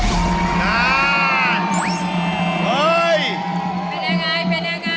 เป็นยังไงเป็นยังไง